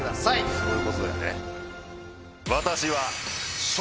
そういうことだよね。